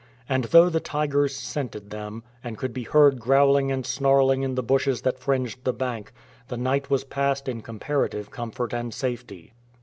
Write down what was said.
And though the tigers scented them, and could be heard growling and snarling in the bushes that fringed the bank, the night was passed in comparative comfort and safety.